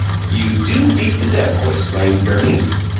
"You do beat the devil!" exclaimed Gurney.